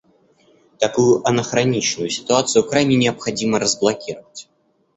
Такую анахроничную ситуацию крайне необходимо разблокировать.